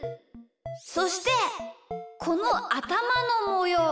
そしてこのあたまのもよう。